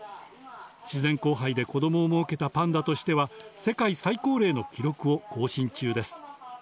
自然交配で子供をもうけたパンダとしては、世界最高齢の記録を更新中です。